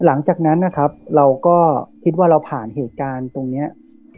หลังจากนั้นนะครับเราก็คิดว่าเราผ่านเหตุการณ์ตรงนี้